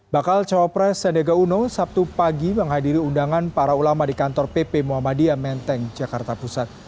bakal cawapres sandiaga uno sabtu pagi menghadiri undangan para ulama di kantor pp muhammadiyah menteng jakarta pusat